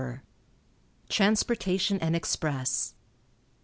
TRANSPORTATION AND EXPRESS.